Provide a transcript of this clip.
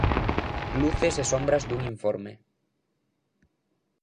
Luces e sombras dun informe